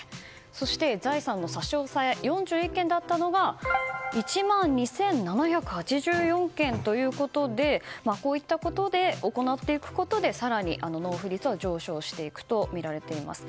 そして、財産の差し押さえ４１件だったのが１万２７８４件ということでこういったことで行っていくことで更に納付率は上昇していくとみられています。